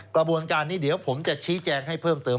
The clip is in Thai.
กระบวนการนี้เดี๋ยวผมจะชี้แจงให้เพิ่มเติม